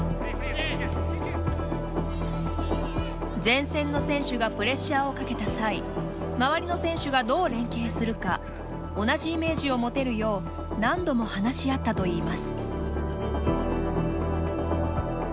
前線の選手がプレッシャーをかけた際周りの選手がどう連携するか同じイメージを持てるよう何度も話し合ったといいます。